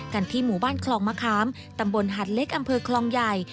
ที่หมู่บ้านคลองมะขามตำบลหัดเล็กอำเภอคลองใหญ่